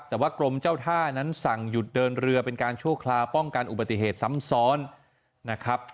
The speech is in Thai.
แต่ว่ากรมเจ้าท่านั้นสั่งหยุดเดินเรือเป็นการชั่วคราวป้องกันอุบัติเหตุซ้ำซ้อนนะครับ